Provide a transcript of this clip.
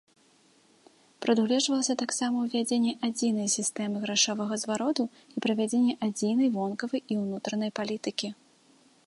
Прадугледжвалася таксама ўвядзенне адзінай сістэмы грашовага звароту і правядзенне адзінай вонкавай і ўнутранай палітыкі.